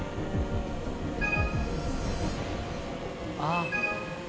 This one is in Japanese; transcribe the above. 「ああ」